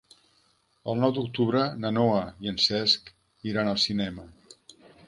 El nou d'octubre na Noa i en Cesc iran al cinema.